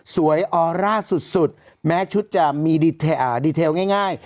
ออร่าสุดแม้ชุดจะมีดีเทลง่าย